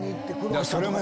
それも。